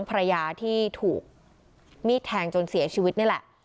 ภรรยาที่ถูกมีดแทงจนเสียชีวิตนี่แหละ